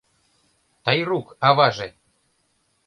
Тайрук аваже!